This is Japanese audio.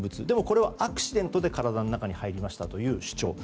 でもこれはアクシデントで体の中に入りましたという主張。